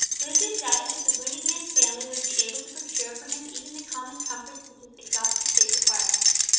Lucius doubted that the wounded man's family would be able to procure for him even the common comforts which his exhausted state required.